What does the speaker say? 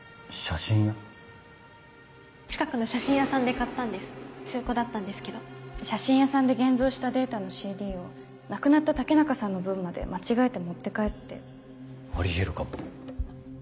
近くの写真屋さんで買ったん中古だったんですけど写真屋さんで現像したデータのＣＤを亡くなった武中さんの分まで間違えて持って帰ってあり得るかも。